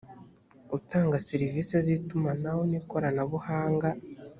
utanga serivisi z’itumanaho n’koranabuhanga